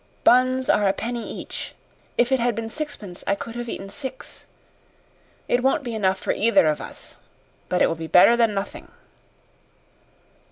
Buns are a penny each. If it had been sixpence I could have eaten six. It won't be enough for either of us. But it will be better than nothing."